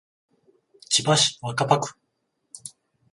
千葉市若葉区